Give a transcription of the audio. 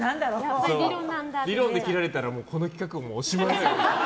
理論で切られたらこの企画おしまいだよ。